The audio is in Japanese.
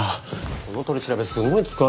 この取り調べすごい疲れる。